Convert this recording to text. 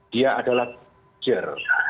dia adalah pekerja